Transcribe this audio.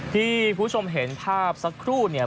ที่คุณผู้ชมเห็นภาพสักครู่เนี่ย